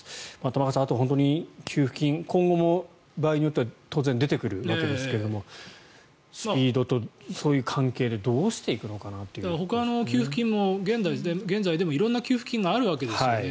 玉川さん、あとは給付金今後も場合によっては当然、出てくるわけですがスピードと、そういう関係でほかの給付金も現在でも色んな給付金があるわけですよね。